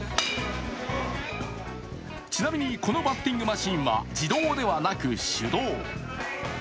ちなみに、このバッティングマシーンは自動ではなく手動。